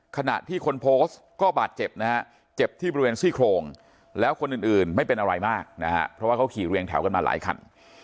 ขณะที่คนโพสต์ก็บาดเจ็บนะฮะเจ็บที่บริเวณซี่โครงแล้วคนอื่นไม่เป็นอะไรมากนะฮะเพราะว่าเขาขี่เรียงแถวกันมาหลายคัน